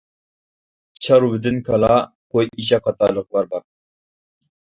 چارۋىدىن كالا، قوي، ئېشەك قاتارلىقلار بار.